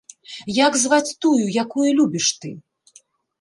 Як зваць тую, якую любіш ты?